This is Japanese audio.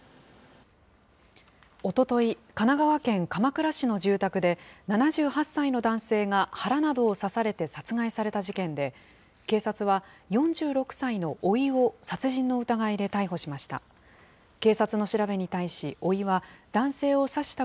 おととい、神奈川県鎌倉市の住宅で、７８歳の男性が腹などを刺されて殺害された事件で、警察は４６歳のおいを殺人の疑いで逮捕しました。